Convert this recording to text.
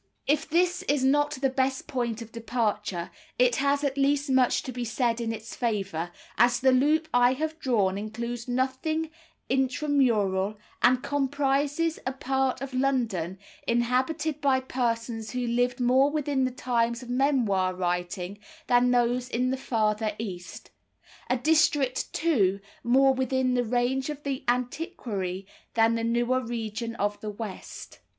If this is not the best point of departure, it has at least much to be said in its favour, as the loop I have drawn includes nothing intramural, and comprises a part of London inhabited by persons who lived more within the times of memoir writing than those in the farther East, a district, too, more within the range of the antiquary than the newer region of the West.